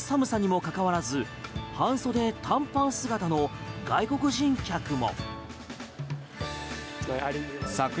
この寒さにもかかわらず半袖短パン姿の外国人客も。